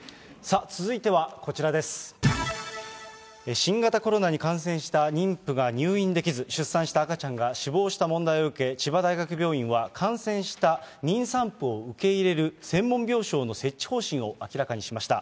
新型コロナに感染した妊婦が入院できず、出産した赤ちゃんが死亡した問題を受け、千葉大学病院は、感染した妊産婦を受け入れる専門病床の設置方針を明らかにしました。